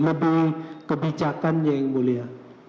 lebih kebicakan yang mulia